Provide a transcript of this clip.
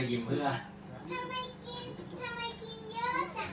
ก็อยู่ตรงนั้น